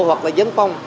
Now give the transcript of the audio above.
hoặc là dân phòng